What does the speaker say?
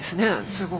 すごく。